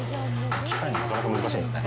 機械にはなかなか難しいんですね。